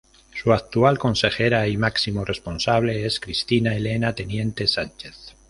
Su actual consejera y máximo responsable es Cristina Elena Teniente Sánchez.